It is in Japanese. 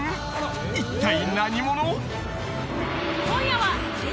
一体何者？